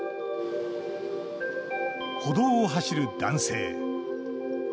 歩道を走る男性。